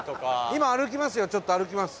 今、歩きます。